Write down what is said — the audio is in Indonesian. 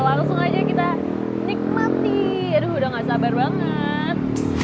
langsung aja kita nikmati aduh udah gak sabar banget